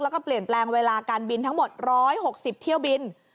แล้วก็เปลี่ยนแปลงเวลาการบินทั้งหมด๑๖๐เที่ยวบิน